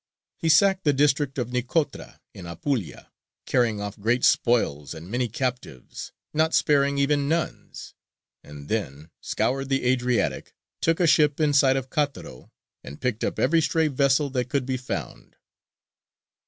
He sacked the district of Nicotra in Apulia, carrying off great spoils and many captives, not sparing even nuns; and then scoured the Adriatic, took a ship in sight of Cattaro, and picked up every stray vessel that could be found.